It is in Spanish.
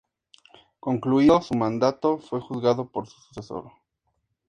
Concluido su mandato fue juzgado por su sucesor.